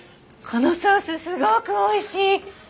このソースすごく美味しい！